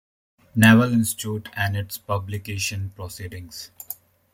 Naval Institute and its publication, "Proceedings".